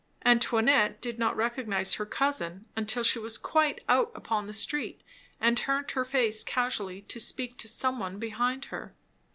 Antoinette did not recognize her cousin until she was quite out upon the street and turned her face casually to speak to some one behind her.